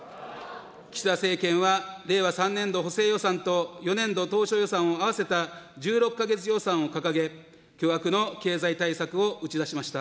岸田政権は、令和３年度補正予算と４年度当初予算を合わせた１６か月予算を掲げ、巨額の経済対策を打ち出しました。